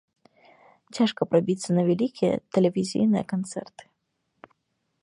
Цяжка прабіцца на вялікія тэлевізійныя канцэрты.